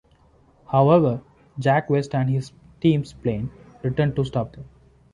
However, Jack West and his team's plane return to stop them.